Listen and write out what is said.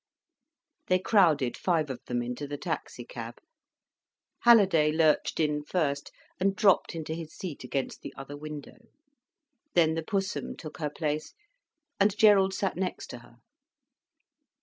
They crowded five of them into the taxi cab. Halliday lurched in first, and dropped into his seat against the other window. Then the Pussum took her place, and Gerald sat next to her.